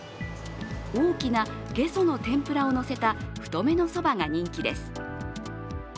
大きなゲソの天ぷらをのせた太めのそばが人気です。